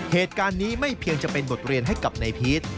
เหตุการณ์นี้ไม่เพียงจะเป็นบทเรียนให้กับนายพีช